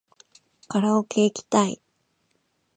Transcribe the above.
カラオケいきたい